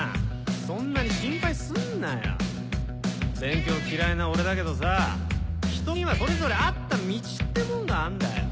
そんなに心配すんなよ。勉強きらいな俺だけどさ人にはそれぞれあった道ってもんがあるんだよ。